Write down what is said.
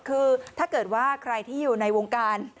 คือถ้าเกิดว่าใครที่อยู่ในวงการ